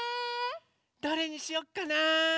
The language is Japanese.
どれにしよっかな？